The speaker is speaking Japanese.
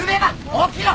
起きろ！